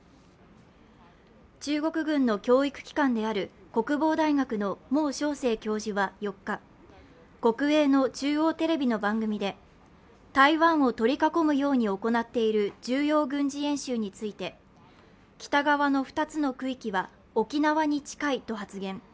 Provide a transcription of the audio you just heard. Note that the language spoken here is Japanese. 中国軍の教育機関である国防大学の孟祥青教授は４日、国営の中央テレビの番組で、台湾を取り囲むように行っている重要軍事演習について北側の２つの区域は沖縄に近いと発言。